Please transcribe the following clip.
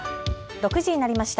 ６時になりました。